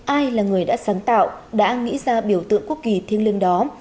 ai là người đã sáng tạo đã nghĩ ra biểu tượng quốc kỳ thiêng liêng đó